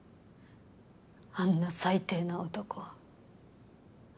あんな最低な男。